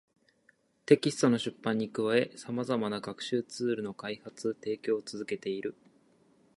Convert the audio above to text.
テキストの出版に加え、様々な学習ツールの開発・提供を続けている